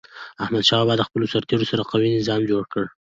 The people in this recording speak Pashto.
احمدشاه بابا د خپلو سرتېرو سره قوي نظام جوړ کړ.